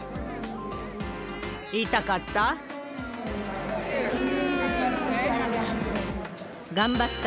痛かった？